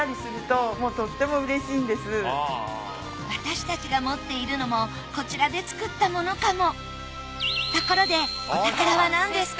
私たちが持っているのもこちらで作ったものかも。